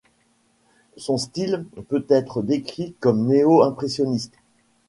Son style peut être décrit comme néo-impressionniste.